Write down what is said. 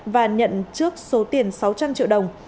và nhận trước số tiền sáu trăm linh triệu đồng